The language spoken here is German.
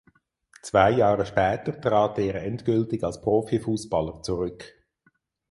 Zwei Jahre später trat er endgültig als Profifußballer zurück.